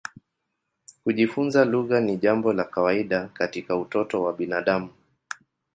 Kujifunza lugha ni jambo la kawaida katika utoto wa binadamu.